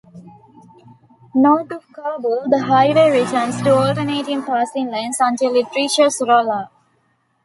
North of Cabool, the highway returns to alternating passing lanes until it reaches Rolla.